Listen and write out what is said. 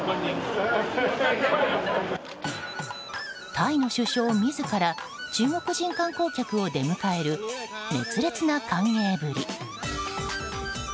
タイの首相自ら中国人観光客を出迎える熱烈な歓迎ぶり。